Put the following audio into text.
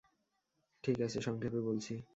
ঠিক আছে, সংক্ষেপে বলছি।